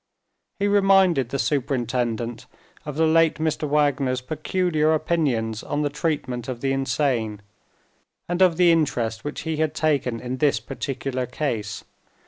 He reminded the superintendent of the late Mr. Wagner's peculiar opinions on the treatment of the insane, and of the interest which he had taken in this particular case.